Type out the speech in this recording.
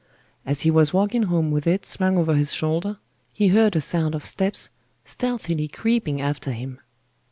As he was walking home with it slung over his shoulder, he heard a sound of steps stealthily creeping after him.